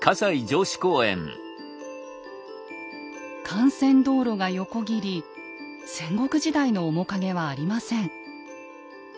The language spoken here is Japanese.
幹線道路が横切り戦国時代の面影はありません。